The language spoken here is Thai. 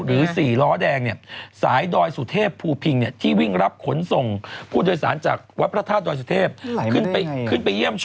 คุณผู้ชมภูพิงราชนิเวสเนี่ย